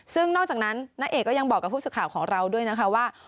ซึ่งนอกจากนั้นณเอกก็ยังบอกกับผู้สื่อข่าวของเราด้วยนะคะว่า